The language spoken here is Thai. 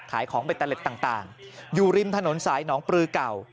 ขายของเบตเตอร์เล็ตต่างอยู่ริมถนนสายหนองปลือเก่า